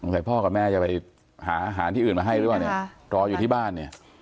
ใส่พ่อกับแม่จะไปหาอาหารที่อื่นมาให้หรือเปล่าเนี่ย